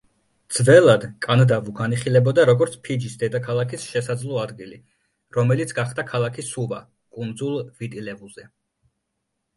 ძველად კანდავუ განიხილებოდა, როგორც ფიჯის დედაქალაქის შესაძლო ადგილი, რომელიც გახდა ქალაქი სუვა კუნძულ ვიტი-ლევუზე.